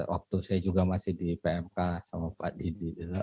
waktu saya juga masih di pmk sama pak didi